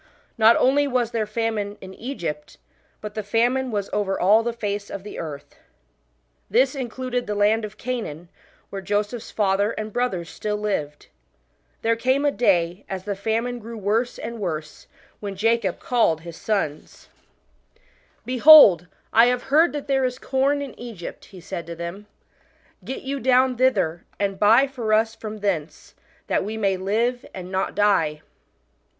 Not only was there famine in Egypt, but the famine was " over all the face of the earth." This included the land of Canaan, where Joseph's father and brothers still lived. There came a day, as the famine grew woise and worse, when Jacob called his sons. 1 See chapter 4. B.C. 1707.] JOSEPH'S BROTHERS. 21 " Behold, I have heard that there is corn in Egypt," he said to them :" get you down thither, and buy for us from thence ; that we may live, and not die."